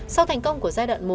sau thành công của giai đoạn một